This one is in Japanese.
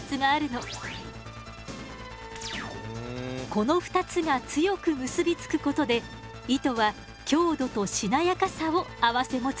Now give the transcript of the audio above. この２つが強く結び付くことで糸は強度としなやかさを併せ持つのよ。